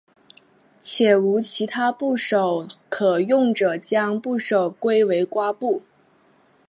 且无其他部首可用者将部首归为瓜部。